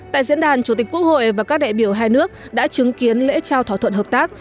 tại diễn đàn chủ tịch quốc hội và các đại biểu hai nước đã chứng kiến lễ trao thỏa thuận hợp tác